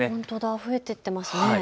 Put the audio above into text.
増えていっていますね。